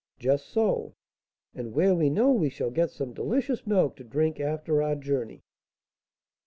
"Just so." "And where we know we shall get some delicious milk to drink after our journey!"